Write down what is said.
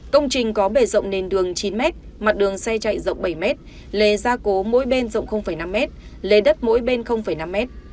công trình có bể rộng nền đường chín m mặt đường xe chạy rộng bảy m lề gia cố mỗi bên rộng năm m lề đất mỗi bên năm m